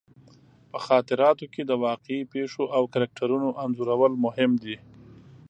په خاطراتو کې د واقعي پېښو او کرکټرونو انځورول مهم دي.